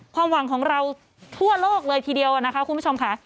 ความหวังของเราทั่วโลกเลยทีเดียวนะคะคุณผู้ชมค่ะ